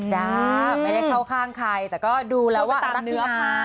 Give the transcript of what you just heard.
จ้าไม่ได้เข้าข้างใครแต่ก็ดูแล้วว่าตามเนื้อผ้า